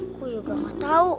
aku juga gak tau